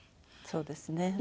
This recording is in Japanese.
そうですね。